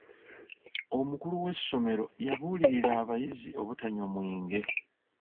Omukulu w'essomero yabuulirira abayizi obutanywa mwenge.